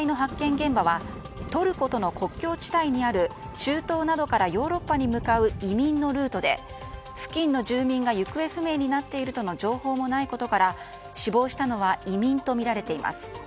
現場はトルコとの国境地帯にある中東などからヨーロッパに向かう移民のルートで付近の住民が行方不明になっているとの情報もないことから死亡したのは移民とみられています。